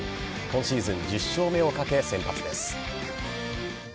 今シーズン１０勝目をかけ先発です。